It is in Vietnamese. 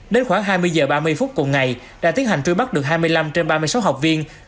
đến khoảng hai mươi h ba mươi phút cùng ngày đã tiến hành truy bắt được hai mươi năm trên ba mươi sáu học viên